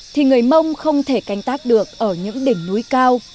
thì người mông không thể canh tác được ở những đỉnh núi cao